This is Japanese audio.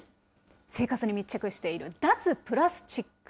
生活に密着している脱プラスチック。